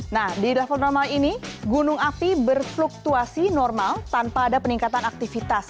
nah di level normal ini gunung api berfluktuasi normal tanpa ada peningkatan aktivitas